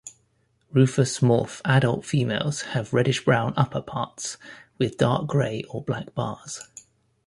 Rufous morph adult females have reddish-brown upperparts with dark grey or black bars.